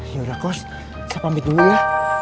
ya udah kos saya pamit dulu ya